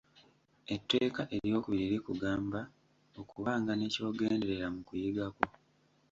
Etteeka eryokubiri likugamba okubanga ne ky'ogenderera mu kuyiga kwo.